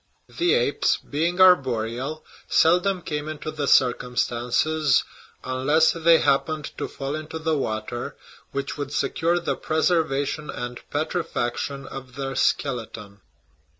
The apes, being arboreal, seldom came into the circumstances (unless they happened to fall into the water) which would secure the preserva tion and petrifaction of their skeleton.